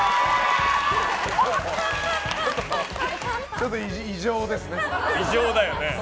ちょっと異常ですね。